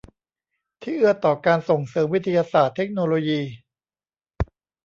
ที่เอื้อต่อการส่งเสริมวิทยาศาสตร์เทคโนโลยี